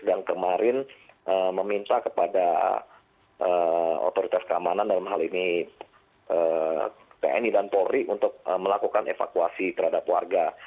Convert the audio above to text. dan kemarin meminta kepada otoritas keamanan dalam hal ini tni dan polri untuk melakukan evakuasi terhadap warga